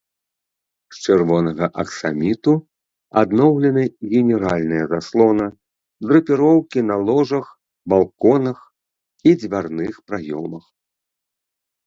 З чырвонага аксаміту адноўлены генеральная заслона, драпіроўкі на ложах, балконах і дзвярных праёмах.